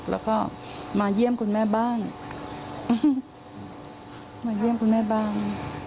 แล้วก็มาเยี่ยมคุณแม่บ้างมาเยี่ยมคุณแม่บ้าง